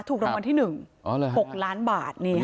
ถูกรองวันที่๑๖ล้านบาทนี่ค่ะ